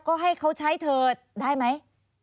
ก็ให้เขาใช้เธอได้ไหม